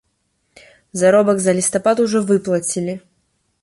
Заробак за лістапад ужо выплацілі.